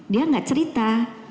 dia gak cerita